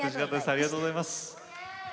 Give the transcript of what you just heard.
ありがとうございます。